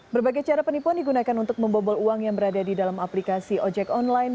berbagai cara penipuan digunakan untuk membobol uang yang berada di dalam aplikasi ojek online